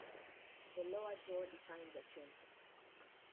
The lower jaw defines a chin.